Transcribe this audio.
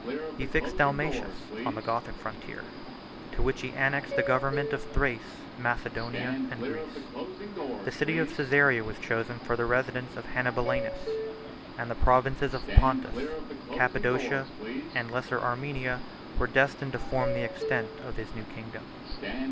He fixed Dalmatius on the Gothic frontier, to which he annexed the government of Thrace, Macedonia, and Greece. The city of Cæsarea was chosen for the residence of Hannibalianus; and the provinces of Pontus, Cappadocia, and the Lesser Armenia, were destined to form the extent of his new kingdom.